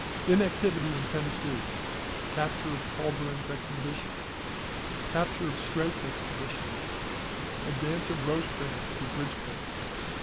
Inactivity in Tennessee. Capture of Colburn's Expedition. Capture of Streight's Expedition. Advance of Rosecrans to Bridgeport.